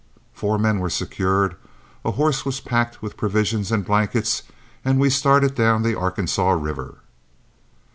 Four men were secured, a horse was packed with provisions and blankets, and we started down the Arkansas River.